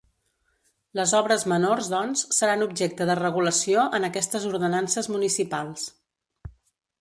Les obres menors, doncs, seran objecte de regulació en aquestes ordenances municipals.